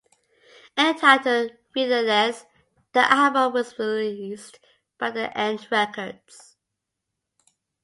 Entitled "Relentless", the album was released by The End Records.